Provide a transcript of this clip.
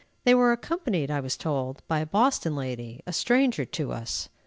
They were accompanied, I was told, by a Boston lady, a stranger to us.